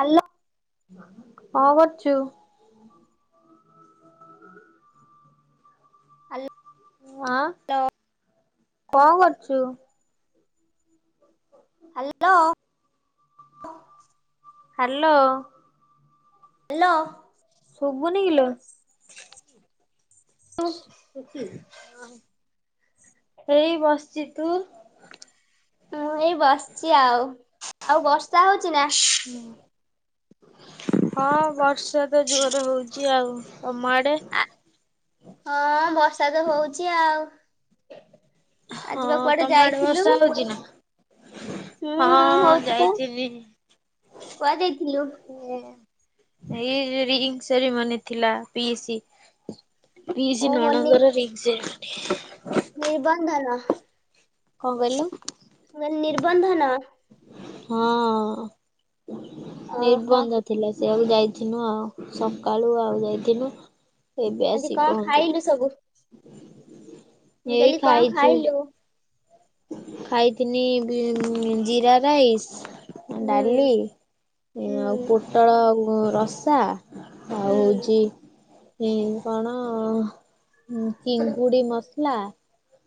Hello. କଣ କରୁଛୁ? ହୁଁ। ଆଯୋଉ। ଆଁ କଣ କରୁଛୁ? ହାଲୋ। ହାଲୋ। ହାଲୋ। ସୁବୁନି କିଲୋ? ହେଇ ବସିଛି ତୁ? ମୁଁ ଏଇ ବସିଛି ଆଉ ଆଉ ବର୍ଷା ହଉଛି ନା? ହଁ ବର୍ଷା ତ ଜୋର ହଉଛି ଆଉ କମ ଆଡେ? ହଁ ବର୍ଷା ତ ହଉଛି ଆଉ। ଆ ଯିବା କୁଆଡେ ଯାଇଥିଲୁ? ଶୁବୁଚି ନା? ହୁଁ ହଁ ହଉଚି ପା ଯାଇଥିଲି। କୁହାଯାଇଥିଲୁ? ଏଇ ରିଙ୍ଗି ସେରିମନି ଥିଲା ପିଇସି ପିଶି ଓହୋ ନଣନ୍ଦର ରିଙ୍ଗି ସେରିମନି। ନିର୍ବନ୍ଧ ନୁହଁ। କଣ କହିଲ? ନିର୍ବନ୍ଧନ। ହଁ ଓହୋ ନିର୍ବନ୍ଧତା ଥିଲା ସେ ଆଉକୁ ଯାଇଥିନୁ ଆଉ ସକାଳୁ ଆଉ ଯାଇଥିନୁ। ଆଜି ଏବେଆସି କି କଣ ଖାଇଲୁ ପହଞ୍ଚିଲୁ ସବୁ ମୁଁ ଏଇ କହିଲି କଣ ଖାଇଛୁ। ଖାଇଲୁ? ଖାଇଥିନି ଜିରା ରାଇସ୍ ହୁଁ ଡାଲି ଏ ହୁଁ ଆଉ ପ ପୋଟଳ ରସା ଆଉ ହୁଁ ହଉଛି ଏ କଣ ଚିଙ୍ଗୁଡ଼ି ମସଲା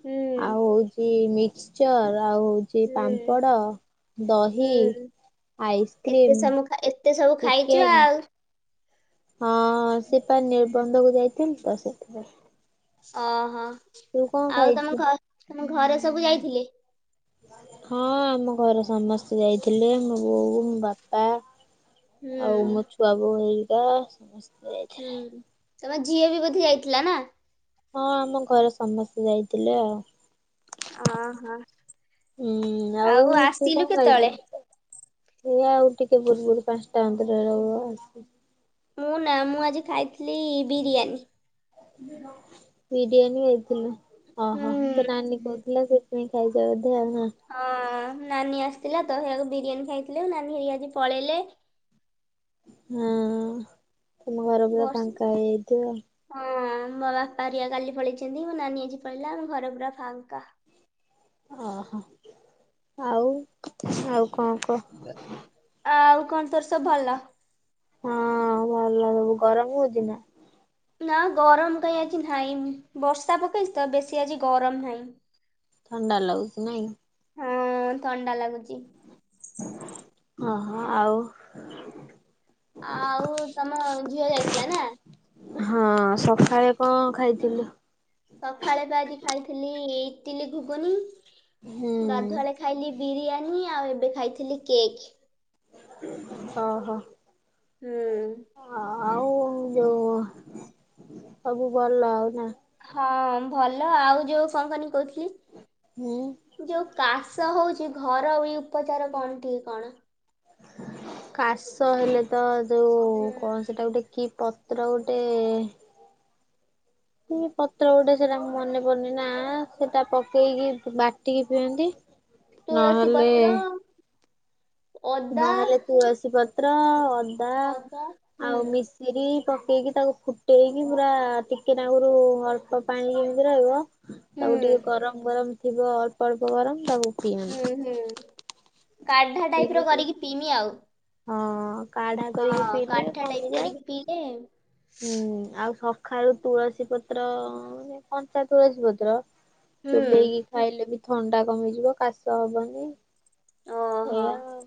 ହୁଁ ଆଉ ହଉଛି ମିକ୍ସଚର ଆଉ ହଉ ଛି ହୁଁ ପାମ୍ପଡ଼, ଦହି, ହୁଁ ଏତେ ଆଇସ୍କ୍ରିମ୍ ସବୁ ଏତେ ସବୁ ଖାଇଛ ଚିକେନ ଆଉ ହଁ ସେ ପା ନିର୍ବନ୍ଧକୁ ଯାଇଥିଲି ତ ସେଥିପାଇଁ। ଓହୋ ତୁ କଣ ଆଉ ତମ ଖାଇଛୁ ଘ ତମ ଘରେ ସବୁ ଯାଇଥିଲେ? ହଁ ଆମ ଘରେ ସମସ୍ତେ ଯାଇଥିଲେ ମୋ ବୋଉ, ବାପା ହୁଁ ଆଉ ମୋ ଛୁଆ ବୋଉ ହେଇକା ସମସ୍ତେ ଯାଇଥିଲେ। ହୁଁ ତମ ଝିଅ ବି ବୋଧେ ଯାଇଥିଲା ନା? ହଁ ଆମ ଘରେ ସମସ୍ତେ ଯାଇଥିଲେ ଆଉ। ଓହୋ ହୁଁ ଆଉ ତୁ ଆସିଲୁ କଣ ଖାଇଛୁ? କେତେବେଳେ? ଏଇ ଆଉ ଟିକେ ପୂର୍ବୁର ପାଞ୍ଚଟା ଅନ୍ତର ହେବ ଆଉ। ମୁଁ ନା ମୁଁ ଆଜି ଖାଇଥିଲି ବିରିୟାନୀ। ବିରିୟାନୀ ହୋଇଥିଲା ଓହୋ ତ ହୁଁ ନାନୀ କହୁଥିଲା ସେ ଣି ଖାଇ ଯାଉଛି ଆଉ ହଁ ନାନୀ ଆସିଥିଲା ତ ହେୟାକୁ ବିରିୟାନୀ ଖାଇଥିଲୁ ନାନୀ ହେରିକା ଆଜି ପଳେଇଲେ ହଁ ତମ ଘର ପୁରା ବର୍ଷ ଫାଙ୍କା ହେଇଯାଇଥିବ। ହଁ ମୋ ବାପା ହେରିଆ କାଲି ପଳେଇଛନ୍ତି ମୋ ନାନୀ ଆଜି ପଳେଇଲା ଆମ ଘର ପୁରା ଫାଙ୍କା। ଓହୋ ଆଉ ଆଉ କଣ କହ? ଆଉ କଣ ତୋର ସବୁ ଭଲ? ହଁ ଭଲ ସବୁ ଗରମ ହଉଛି ନା? ନା ଗରମ କାହିଁ ଆଜି ନାହିଁ ବର୍ଷା ପକେଇଛି ତ ବେଶୀ ଆଜି ଗରମ ନାହିଁ। ଥଣ୍ଡା ଲାଗୁଚି ନାଇଁ? ହଁ ଥଣ୍ଡା ଲାଗୁଛି। ଓ ହୋ ଆଉ? ଆଉ ତମ ଝିଅ ଯାଇଥିଲା ନା? ହଁ ସକାଳେ କଣ ଖାଇଥିଲୁ? ସକାଳେ ବା ଆଜି ଖାଇଥିଲି ଏଡ଼ିଲି ଘୁବୁନି ହୁଁ ଗାଧୁଆଳେ ଖାଇଲି ବିରିୟାନୀ ଆଉ ଏବେ ଖାଇଥିଲି କେକ୍। ଅ ହ। ହୁଁ। ହଁ ଆଉ ଯୋଉ ସବୁ ଭଲ ଆଉ ନା? ହଁ ଭଲ ଆଉ ଯୋଉ କଣ କହିଲୁ କହୁଥିଲି ହୁଁ। ଯୋଉ କାଶ ହଉଛି ଘରଇ ଉପଚାର କଣ ଟିକେ କଣ? କାଶ ହେଲେ ତ ଯୋଉ ହୁଁ କ ସେଇଟା ଗୋଟେ କି ପତ୍ର ଗୋଟେ କି ପତ୍ର ଗୋଟେ ସେଟା ମନେ ପଡୁନି ନା ସେଟା ପକେଇକି ବାଟିକି ପିଅନ୍ତି। ତୁଳସୀ ନହେଲେ ପତ୍ର ଅଦା ନହେଲେ ତୁଳସୀ ପତ୍ର, ଅଦା ଅଦା ହୁଁ ଆଉ ମି ସିରି ପକେଇକି ତାକୁ ଫୁଟେଇକି ପୁରା ଟିକେନାକରୁ ଅଳ୍ପ ପାଣି ଯେମିତି ରହିବ ହୁଁ ତାକୁ ଟିକେ ଗରମ, ଗରମ ଥିବ ଅଳ୍ପ ଅଳ୍ପ ଗରମ ତାକୁ ହୁଁ, ପିଅନ୍ତି ହୁଁ କାଢ଼ା ପିଇଲେ ଟାଇପର ଟିକେ କରିକି ପିଇମି ଆଉ। ହଁ କାଢ଼ା କରିକି ହଁ ପିଇଲେ କାଢା ଟାଇପ କମିଯାଏ କରିକି ପିଇଲେ ହଁ ଆଉ ସ ଖାରୁ ତୁଳସୀ ପତ୍ର ମାନ କଞ୍ଚା ତୁଳସୀ ପତ୍ର ହୁଁ ଚୋବେଇକି ଖାଇଲେ ବି ଥଣ୍ଡା କମିଯିବ କାଶ ହବନି। ଓହୋ। ଏଇଆ ଆଉ।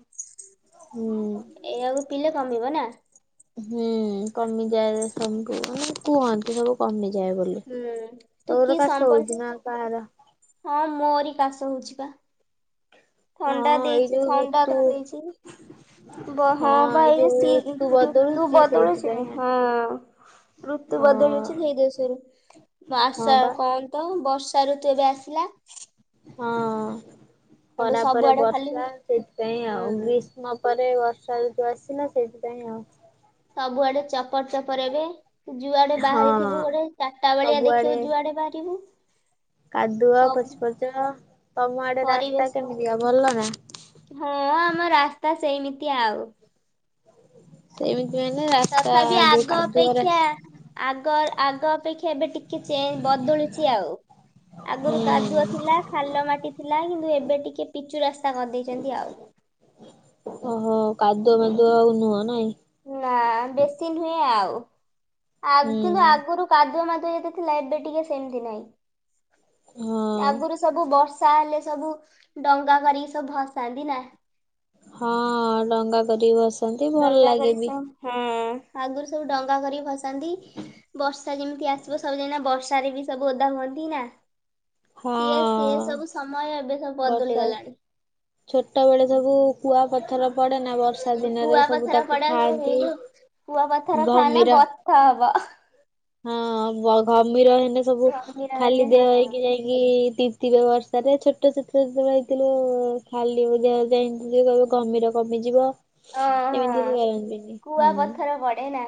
ହୁଁ। ଏଇଆକୁ ପିଇଲେ କମ କମି ବା ନା ହୁଁ କମିଯାଏ ସବୁ ମାନେ କୁହନ୍ତି ସବୁ। କମିଯାଏ ବୋଲି ହୁଁ ତୁ କି ତୋର କାଶ ସମ୍ବଲ ହଉଛି ନା କାହାର। ହଁ ମୋରି କାଶ ହଉଛି ପା। ହଁ ଥଣ୍ଡା ଏଇ ଦେଇଛି ଯୋଉ ଥଣ୍ଡା ଋତୁ ଧରି ଦେଇଛି। ବ ହଁ ବା ଏଇ ଯୋଉ ଋତୁ ସିଇଜ ଋତୁ ବଦଳୁଛି ବଦଳୁଛି ନା ସେଇଥିପାଇଁ। ହଁ। ଋତୁ ବଦଳୁଛି ସେଇ ହଁ ଯୋଗୁଁ ସେମିତି ହଁ ମାସ ବା କଣ। ତ ବର୍ଷା ଋତୁ ଏବେ ଆସିଲା। ହଁ ଏବେ ଖରା ପରେ ସବୁଆଡେ ଖାଲି ହୁଁ ବର୍ଷା ସେଥିପାଇଁ ଆଉ ଗ୍ରୀଷ୍। ଗ୍ରୀଷ୍ମ ପରେ ବର୍ଷା ଋତୁ ଆସିଲା ସେଇଥିପାଇଁ ଆଉ। ସବୁଆଡେ ଚପର ଚପର ଏବେ। ଯୁଆଡେ ହଁ ବାହାରିଥିବୁ ଗୋଟେ ଚାରିଟା ବେଳିଆ ସବୁଆଡେ ଦେଖିବୁ ଯୁଆଡେ ବାହାରିବୁ। କାଦୁଅ ସବୁ ପଚ ପଚ ତମ ଆଡେ ରାସ୍ତା ପରିବେଶ କେମିତିକା ଭଲ ନା। ହଁ ଆମ ରାସ୍ତା ସେଇମିତି ଆଉ। ସେମିତି ମାନେ। ରାସ୍ତା ତଥାପି ଯୋଉ ଆଗ କାଦୁଅ ଅପେକ୍ଷା ରାସ୍ତା ଆଗ ଆଗ ଅପେକ୍ଷା ଏବେ ଟିକେ। ଟିକେ ଚେଞ୍ଜ ବଦଳିଛି ଆଉ ହୁଁ ଆଗରୁ କାଦୁଅ ଥିଲା। ଖାଲ ମାଟି ଥିଲା କିନ୍ତୁ ଏବେ ଟିକେ ପିଚୁ ରାସ୍ତା କରିଦେଇଛନ୍ତି ଆଉ। ଓହୋ କାଦୁଅମାଦୁଆ ଆଉ ନୁହଁ ନାଇଁ। ନା ବେଶୀ ନୁହେଁ ଆଉ ଆଗରୁ ହୁଁ କିନ୍ତୁ ଆଗରୁ କାଦୁଅ କାଦୁଅ ଯେତେ। ଥିଲା ଏବେ ଟିକେ ସେମତି ନାଇଁ ହଁ ଆଗରୁ ସବୁ ବର୍ଷା। ବର୍ଷା ହେଲେ ସବୁ ଡଙ୍ଗା କରିକି ସବୁ ଭସାନ୍ତି ନା। ହଁ ଡଙ୍ଗା କରି ଭସ୍। ଡଙ୍ଗା କରିକି ସବୁ ହୁଁ। ଆଗରୁ ସବୁ ଡଙ୍ଗା କରିକି ଭସାନ୍ତି ବର୍ଷା ଯେମିତି ଆସିବ ସବୁଯାଇକିନା ବର୍ଷାରେ ବି। ସବୁ ଓଦା ହୁଅନ୍ତି ନା ହଁ ସିଏ ସିଏ ସବୁ ସମୟ ଏବେ ସୁ ବଦଳି ଗଲାଣି। ଛୋଟବେଳେ ସବୁ କୁଆପଥର। ପଡେ ନା ବର୍ଷା ଉଁ ଦିନରେ ସବୁ କୁଆପଥର ତାକୁ ପଡା ଖାଆନ୍ତି ହେଇଲୁ ଘମିର। କ ହବ। ହଁ ଘମିର ହେଲେ ସବୁ ଧମିରା ଖାଲି ହେଲେ ଦେହ ହଁ ହେଇକି। ଯାଇକି ତିନ୍ତିବ ବର୍ଷା ରେ ଛୋଟ ଛୋଟ ଯେତେବେଳେ ହେଇଥିଲିବ ଖାଲି ଦେହରେ ଯାଇ ବୁଲିବୁ। ଘମିର କମିଯିବ। ଓ ହଁ ଏମିତି କରନ୍ତିନି କୁଆ ହୁଁ। ପଥର ପଡେ ନା।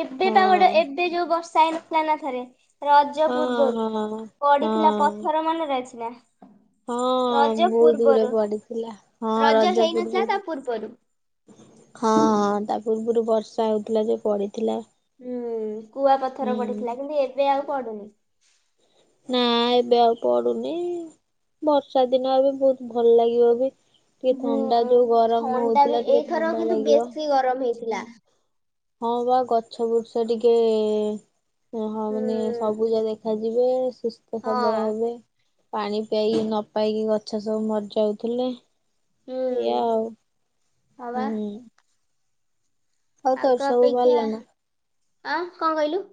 ଏବେ ହଁ ପା ଗୋଟେ ଏବେ ଯୋଉ ବର୍ଷା ହେଇନଥିଲା ନା ଥରେ। ରଜ ହଁ ପୂର୍ବରୁ ହଁ ହଁ ପଡିଥିଲା ପଥର ମନରେଅଛି ନା। ହଁ ରଜ ବହୁତ ପୂର୍ବରୁ ଗୁଡାଏ ପଡିଥିଲା ହଁ ରଜ ରଜାପୁର ହେଇନଥିଲା ତା ପୂର୍ବରୁ। ହଁଁ ହଁ ତା ପୂର୍ବରୁ ବର୍ଷା ହଉଥିଲା ଯେଉ ପଡିଥିଲା। ହୁଁ କୁଆ ପଥର ହୁଁ ପଡିଥିଲା କିନ୍ତୁ ଏବେ ଆଉ ପଡୁନି। ନା ଏବେ ଆଉ ପଡୁନି। ବର୍ଷା ଦିନ ଏବେ ବହୁତ ଭଲ ଲାଗିବ ବି। ଟିକେ ଥଣ୍ଡା ହୁଁ ଯୋଉ ଗରମ ହଉଥିଲା ଟିକେ ଥଣ୍ଡା ଲାଗିବ। କି ଗରମ ହେଇଥିଲା। ହଁ ବା ଗଛ ବୁର୍ଚ୍ଚ ଟିକେ। ଓ ହଁ ମାନେ ହୁଁ ସବୁଜ ଦେଖାଯିବେ ସୁସ୍ଥ ସବଳ ହଁ ହେବେ। ପାଣି ପିଆଇକି ନ ପାଇକି ଗଛ ସବୁ ମରି ଯାଉଥିଲେ। ଏଇଆ ହୁଁ ଆଉ ହଁ ବା ହୁଁ। ଆଉ ତୋର ଆଗ ସବୁ ଅପେକ୍ଷା ଭଲ ନା ଆଁ କଣ କହିଲୁ।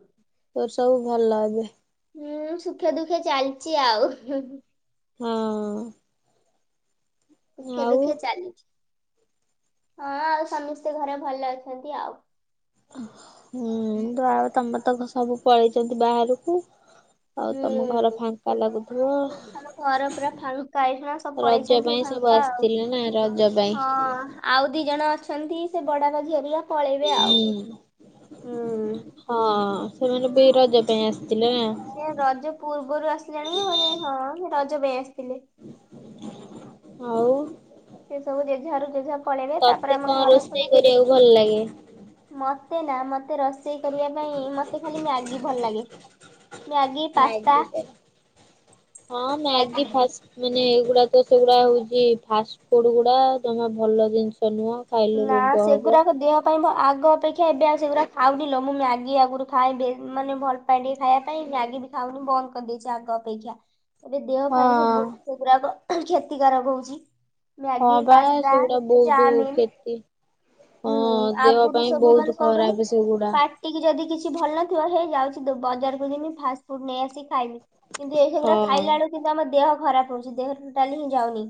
ତୋର ସବୁ ଭଲ ଏବେ। ହୁଁ ସୁଖେ ଦୁଃଖେ ଚାଲିଚି ଆଉ। ହଁ। ସୁଖେ ଆଉ ଦୁଃଖେ ଚାଲିଛି ହଁ ଆଉ ସମସ୍ତେ ଘରେ ଭଲ ଅଛନ୍ତି ଆଉ। ହୁଁ ଆଉ ତମର ତକ ସବୁ ପଳେଇଛନ୍ତି ବାହାରକୁ। ଆଉ ତମ ଘର ହୁଁ। ଫାଙ୍କା ଲାଗୁଥିବ। ଆମ ଘର ପୁରା ଫାଙ୍କା ଏଇନା ସବୁ ରଜ ପଳେଇଛନ୍ତି ପାଇଁ ସବୁ ଫାଙ୍କା ଆଉ। ଆସିଥିଲେ ନା ରଜ ପାଇଁ। ହଁ। ଆଉ ଦି ଜଣ ଅଛନ୍ତି ସେ ବଡ ବାପା ଝିଅ ହେରିକା ପଳେଇବେ ଆଉ। ହୁଁ। ହଁ ସେମାନେ ବି ରଜ ପାଇଁ ଆସିଥିଲେ ନା। ସେ ରଜ ପୂର୍ବରୁ ଆସିଲେଣି। ହେଲେ ହଁ ସେ ରଜ ପାଇଁ ଆସିଥିଲେ। ହଉ ସେ ସବୁ ଜେଝା ଘରକୁ ଜେଝା ପଳେଇବେ ତାପରେ ତତେ ଆମ କଣ ଘର ପୁରା ରୋଷେଇ କରିବାକୁ ଭଲ ଲାଗେ? ମତେ ନା ମତେ ରୋଷେଇ କରିବା ପାଇଁ ମତେ ଖାଲି ମ୍ୟାଗି ଭଲ ଲାଗେ। ମ୍ୟାଗି ପାସ୍ତା ମ୍ୟାଗି [unintelligible] ହଁ ମ୍ୟାଗି ଫାଷ୍ଟ ମାନେ ଏଇଗୁଡା ତ ସେଗୁଡା ହଉଛୀ ଫାଷ୍ଟ ଫୁଡ୍ ଗୁଡା ଜମା ଭଲ ଜିନିଷ ନୁହଁ। ଖାଇଲେ ନା ରୋଗ ହବ। ସେଗୁରାକ ଦେହ ନାଇଁ ମୁଁ ଆଗ ଅପେକ୍ଷା ଏବେ ଆଉ ସେଗୁରା ଖାଉନି ଲୋ। ମୁଁ ମ୍ୟାଗି ଆଗରୁ ଖାଏ ଭେ ମାନେ ଭଲ [unintelligible] ଟିକେ ଖାଇବା ପାଇଁ ମ୍ୟାଗି ବି ଖାଉନି ବନ୍ଦ କରିଦେଇଚି ଆଗ ଅପେକ୍ଷା। ଏବେ ଦେହ ପାଇଁ ସବୁ ହଁ। ବହୁତ୍ ସେଗୁରାକ କ୍ଷତିକାରକ ହଉଚି। ହଁ ମ୍ୟାଗି, ବା ପାସ୍ତା, ସେଗୁଡା ବହୁତ ଚାଉମିିନ କ୍ଷତି ହୁଁ, ହଁ ଦେହ ଆଗରୁ ପାଇଁ ସବୁ ବହୁତ ମାନେ କଣ କହନି ଖରାପ ସେଗୁଡା। ପା ପାଟି ଯଦି କିଛି ଭଲ ନଥିବ, ହେ ଯାଉଚି ବଜାରକୁ ଯିମି ଫାଷ୍ଟ ଫୁଡ୍ ନେଇ ଆସିକି ଖାଇବି। କିନ୍ତୁ ଏ ହେଗୁୁରା ହଁ। ଖାଇଲା ବେଳୁ କିନ୍ତୁ ଆମ ଦେହ ଖରାପ ହଉଚି। ଦେହ ରେ ଟୋଟାଲି ହିଁ ଯାଉନି।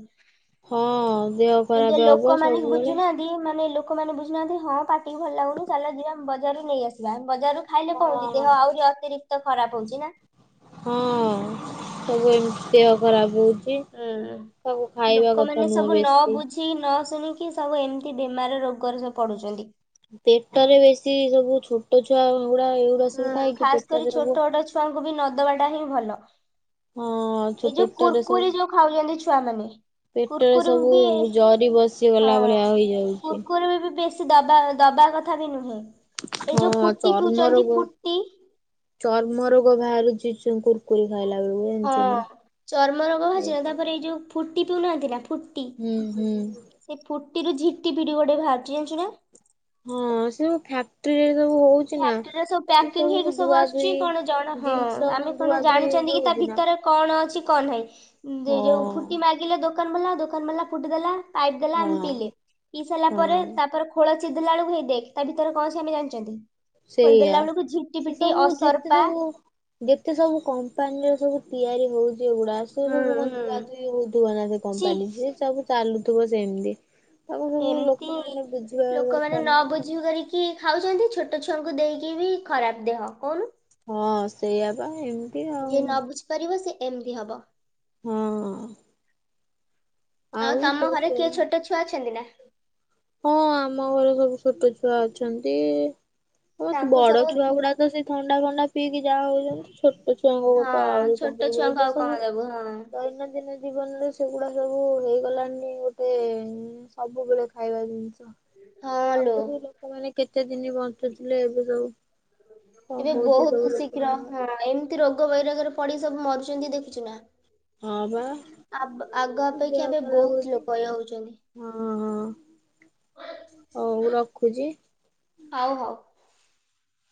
ହଁ ଦେହ କିନ୍ତୁ ଏ ଖରାପ ହବ ଲୋକମାନେ ସବୁବେଳେ। ବୁଝୁନାହାନ୍ତି ଯଦି ମାନେ ଲୋକମାନେ ବୁଝୁନାହାନ୍ତି ହଁ ପାଟିିକି ଭଲ ଲାଗୁନି ଚାଲ ଯିବା ବଜାରରୁ ନେଇ ଆସିବା। ବଜାରରୁ ଖାଇଲେ କଣ ହଉଚି ଦେହ ଆହୁରି ଅତିରିକ୍ତ ଖରାପ ହଉଚି ନା। ହଁ। ସବୁ ଏମତି ଆଉ ଖରାପ୍ ହଉ ଚି। ହୁଁ। ସବୁ ଖାଇବା ଲୋକମାନେ କଥା ନୁହଁ ସବୁ ନ ବେଶୀ। ନ ବୁଝି ଶୁଣିକି ସବୁ ଏମିତି ବେମାର ରୋଗରେ ସବୁ ପଡ଼ୁଛନ୍ତି। ପେଟରେ ବେଶୀ ସବୁ ଛୋଟ ଛୁଆ ଗୁଡା ହେଉ ହୁଁ, ଖାସ୍ କରି ଛୋଟ ଛୋଟ ଛୁଆଙ୍କୁ ବି ନଦବା ଟା ହିଁ ଭଲ। ହଁ ଛୋ ଏଇ ଯୋଉ ପେଟରେ ସବୁ କୁୁରକୁରି ଯୋଉ ଖାଉଛନ୍ତି ଛୁଆମାନେ। ପେଟରେ କୁୁରକୁରି ରୁ ସବୁ ବି ଜରି ହଁ ବସିଗଲା ଭଳିଆ ହେଇଯାଉଛି। କୁୁରକୁରି ବି ବେଶୀ କି ଦବା ଦବା କଥା ବି ନୁହେଁ। ଏଇ ହଁ ଯୋଉ ହଁ ଫୁଟି ଚର୍ମ ପିଉଛନ୍ତି ରୋଗ, ଫୁଟି ଚର୍ମ ରୋଗ ବାହାରୁଚି କୁର୍ କୁରି ଖାଇଲା ବେଳକୁ। ହଁ ଜାଣିଛୁ ନା। ଚର୍ମ ରୋଗ ଏଇ ବାହାରୁଚି। ସବୁ ତାପରେ ଏଇ ଯୋଉ ଫୁଟି ପିଉନାହାନ୍ତି ନା ଫୁଟି ହୁଁ ହୁଁ ସେ ଫୁଟିରୁୁ ଝିଟିପିଟି ଗୋଟେ ବାହାରୁଚି ଜାଣିଛୁ ନା। ହଁ ସେ ସବୁ ଫ୍ୟାକ୍ଟ୍ରି ରେ ସବୁ ହଉ ପ୍ୟାକେଟ୍ ରେ ସବୁ ପ୍ୟାକିଙ୍ଗ ହେଇକି ସବୁ ଆସୁଚି ଧୁଇ କଣ ଜଣ ହଁ ଜିନିଷ ଆମେ ଧୁଆ କଣ ଧୁଇ ଜାଣିଛନ୍ତି ହେଇକି କି ତା ହଉଛି ନା। ଭିତର କଣ ଅଛି କଣ ନାହିଁ। ଯେ ହଁ ଯୋଉ ଫୁଟି ମାଗିଲେ ଦୋକାନ ବାଲା ଦୋକାନ ବାଲା ଫୁଟି ଦେଲା ପାଇପ୍ ଦେଲା ଆମେ ହଁ ପିଇଲେ। ପିଇ ସାଇଲା ପରେ ହଁ ତାପରେ ଖୋଳ ଚିରିଦେଲା ବେଳକୁ ହେଇ ଦେଖ୍, ତା ଭିତରେ କଣ ଅଛି ଆମେ ଜାଣିଛନ୍ତି। ସେଇୟା। ଖୋଲିଦେଲା ବେଳକୁ ଝିଟି ସେ ପିଟି ସବୁ ଯେତେ ଅସରପା ସବୁ ଯେତେ ସବୁ କମ୍ପାନୀର ସବୁ ତିଆରି ହଉଚି ଏଗୁଡା ସେ ହୁଁ ସବୁ କଣ ହୁଁ ଧୁଆ ଧୁଇ ହଉଥିବ ନା ସେ ଛି କମ୍ପାନୀ, ସେ ସବୁ ଚାଲୁଥିବ ସେମତି। ଏମତି ଲୋକମାନେ ଦରକାର ନ ନା। ବୁଝି କରିକି କି ଖାଉଛନ୍ତି। ଛୋଟ ଛୁଆଙ୍କୁ ଦେଇକି ବି ଖରାପ ଦେହ କହୁନୁ। ହଁ ସେଇଆ ପା। ହେମ୍ ଯିଏ ନ ବୁଝିପାରିବ ସେ ଏମତି ହବ। ହଁ। ଆଉ ତମ ତୋର ଘରେ କିଏ ସବୁ ଛୋଟ ଛୁଆ ଅଛନ୍ତି ନା? ହଁ ଆମ ଘରେ ସବୁ ଛୋଟ ଛୁଆ ଅଛନ୍ତି ତାଙ୍କୁ ବଡ ସବୁ ଛୁଆ ଗୁଡା। ତ ସେ ଥଣ୍ଡା ଫଣ୍ଡା ପିଇକି ଯାହା ହଉଛନ୍ତି ହଁ ଛୋଟ [inaudible] ଛୁଆଙ୍କୁ ଏବେ ଆଉ କଣ ସବୁ ଦବୁ ହଁ ଦୈନନ୍ଦିନ ଜୀବନ ରେ ସେଗୁଡା ସବୁ ହେଇଗଲାଣି ଗୋଟେ ସବୁବେଳେ ଖାଇବା ଜିନିଷ। ହଁ ଲୋ ଆଗୁରୁ ଲୋକମାନେ କେତେ ଦିନି ବଞ୍ଚୁଥିଲେ ଏବେ ସବୁ। କଣ ଏବେ ହଉଛି ସବୁ ବହୁତ ଶୀଘ୍ର ଲୋକମାନଙ୍କର। ହଁ ଏମିତି ରୋଗ ବୈରୋଗ ରେ ପଡି ସବୁ ମରୁଛନ୍ତି ଦେଖଛୁ ନା। ହଁ ବା। ଆବ୍ ଆଗ ଦେହ ଅପେକ୍ଷା ଏବେ ଖରାପ ବହୁତ ହଉଛି ଲୋକ ଇଏ ହଉ ଛନ୍ତି। ହଁ ହଁ ହଉ ରଖୁଛି। ହଉ ହଉ।